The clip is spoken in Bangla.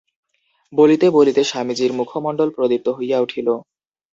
বলিতে বলিতে স্বামীজীর মুখমণ্ডল প্রদীপ্ত হইয়া উঠিল।